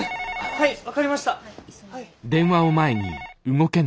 ☎はい分かりました。